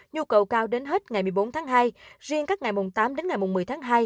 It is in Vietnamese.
nhu cầu cao đến hết ngày một mươi bốn tháng hai riêng các ngày mùng tám đến ngày một mươi tháng hai